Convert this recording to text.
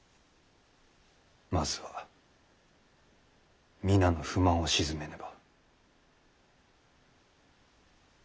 まずは皆の不満を静めねば。